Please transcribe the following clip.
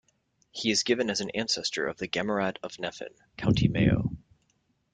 He is given as an ancestor of the Gamarad of Nephin, County Mayo.